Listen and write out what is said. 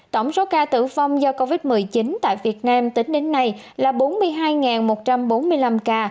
tổng số ca tử vong do covid một mươi chín tại việt nam tính đến nay là bốn mươi hai một trăm bốn mươi năm ca